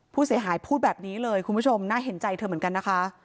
ผู้เสียหายพูดแบบนี้เลยคุณผู้ชมน่าเห็นใจเธอเหมือนกันนะคะ